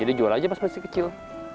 jadi jual aja pas masih kecil